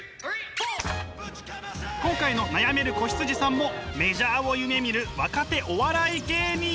今回の悩める子羊さんもメジャーを夢みる若手お笑い芸人。